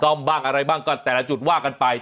ซ่อมบ้างอะไรบ้างก็แต่ละจุดว่ากันไป